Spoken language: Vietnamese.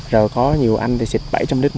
giờ có nhiều anh thì xịt bảy trăm linh lít